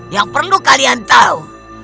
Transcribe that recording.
yang perlu kalian tahu